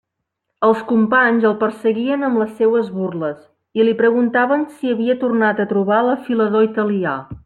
Els companys el perseguien amb les seues burles, i li preguntaven si havia tornat a trobar l'afilador italià.